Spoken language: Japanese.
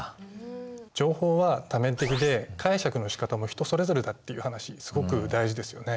情報は多面的で解釈のしかたも人それぞれだっていう話すごく大事ですよね。